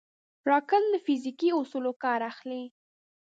راکټ له فزیکي اصولو کار اخلي